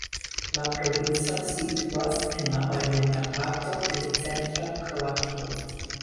La provinco situas en la orienta parto de centra Kroatio.